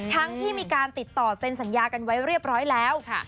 ทั้งที่มีการติดต่อเซ็นสัญญากันไว้เรียบร้อยแล้ว